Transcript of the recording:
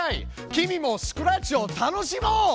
君もスクラッチを楽しもう！